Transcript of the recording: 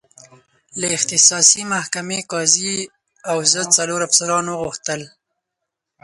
د اختصاصي محکمې قاضي زه او څلور افسران وغوښتل.